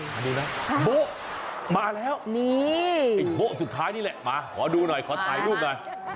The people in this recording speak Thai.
มาดูนะโบ๊ะมาแล้วนี่ไอ้โบ๊ะสุดท้ายนี่แหละมาขอดูหน่อยขอถ่ายรูปหน่อย